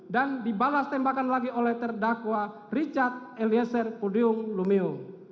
dan dibalas tembakan lagi oleh terdakwa richard eliezer pudyung lumiu